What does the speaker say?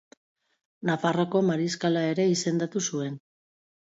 Nafarroako mariskala ere izendatu zuen.